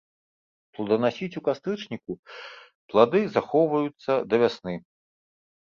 Плоданасіць у кастрычніку, плады захоўваюцца да вясны.